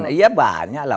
iya banyak lah